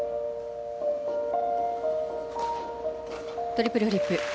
トリプルフリップ。